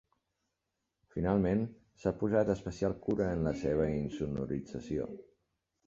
Finalment, s'ha posat especial cura en la seva insonorització.